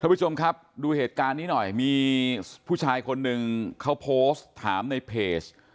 ผู้ชมครับดูเหตุการณ์นี้หน่อยมีผู้ชายคนหนึ่งเขาโพสต์ถามในเพจ